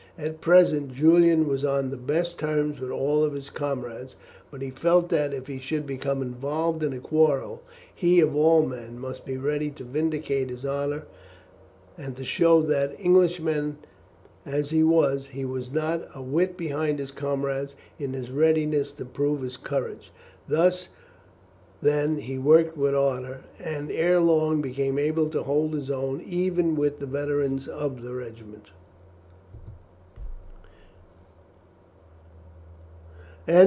At present Julian was on the best terms with all his comrades, but he felt that, if he should become involved in a quarrel, he of all men must be ready to vindicate his honour and to show that, Englishman as he was, he was not a whit behind his comrades in his readiness to prove his courage. Thus, then, he worked with ardour, and ere long became able to hold his own even with the veterans of the regiment.